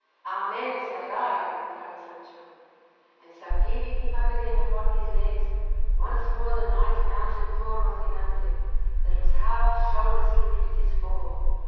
"Amen, say I," replied Sancho. And so heaving him up again upon his legs, once more the knight mounted poor Rozinante, that was half shoulder slipped with his fall.